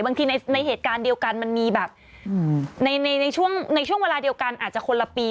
ในเหตุการณ์เดียวกันมันมีแบบในช่วงเวลาเดียวกันอาจจะคนละปี